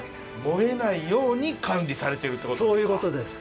燃えないように管理されてるってことですか。